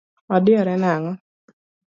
Odiyore nang’o?